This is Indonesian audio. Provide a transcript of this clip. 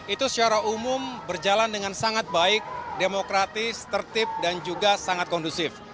itu secara umum berjalan dengan sangat baik demokratis tertib dan juga sangat kondusif